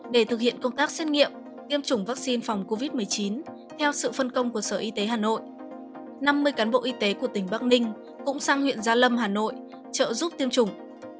để thực hiện công tác xét nghiệm tiêm chủng vaccine phòng covid một mươi chín theo sự phân công của sở y tế hà nội năm mươi cán bộ y tế của tỉnh bắc ninh cũng sang huyện gia lâm hà nội trợ giúp tiêm chủng